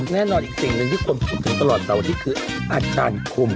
แน่นอนอีกสิ่งหนึ่งที่คนพูดถึงตลอดแต่วันนี้คืออาจารย์คุม